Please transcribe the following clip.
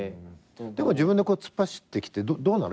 でも自分で突っ走ってきてどうなの？